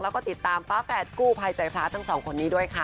แล้วก็ติดตามฟ้าแฝดกู้ภัยใจพระทั้งสองคนนี้ด้วยค่ะ